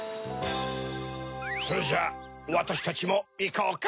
それじゃあわたしたちもいこうか。